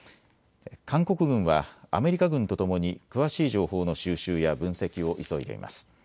韓国軍はアメリカ軍とともに詳しい情報の収集や分析を急いでいます。